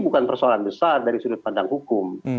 bukan persoalan besar dari sudut pandang hukum